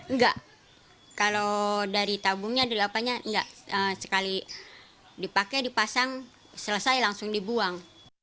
enggak kalau dari tabungnya dipakai dipasang selesai langsung dibuang